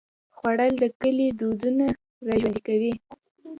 خوړل د کلي دودونه راژوندي کوي